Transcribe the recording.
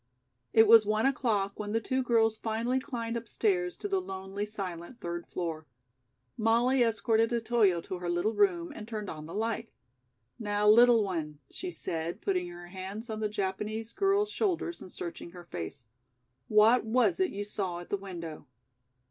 It was one o'clock when the two girls finally climbed upstairs to the lonely silent third floor. Molly escorted Otoyo to her little room and turned on the light. "Now, little one," she said, putting her hands on the Japanese girl's shoulders and searching her face, "what was it you saw at the window?"